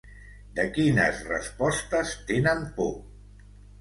De quines respostes tenen por?.